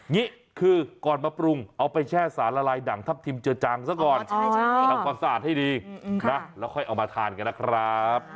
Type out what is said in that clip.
นี่คือก่อนมาปรุงเอาไปแช่สารละลายดั่งทัพทิมเจือจังซะก่อนทำความสะอาดให้ดีนะแล้วค่อยเอามาทานกันนะครับ